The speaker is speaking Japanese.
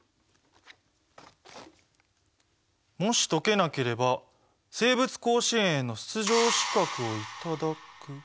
「もし解けなければ生物甲子園への出場資格をいただく」。